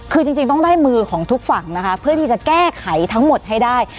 คือจริงต้องได้มือของทุกฝั่งนะคะเพื่อที่จะแก้ไขทั้งหมดให้ได้